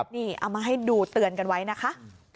นี่เอามาให้ดูเตือนกันไว้นะคะ